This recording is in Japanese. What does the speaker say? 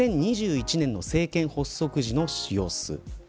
２０２１年の政権発足時の様子。